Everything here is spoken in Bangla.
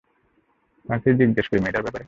কাকে জিজ্ঞেস করি মেয়েটার ব্যাপারে?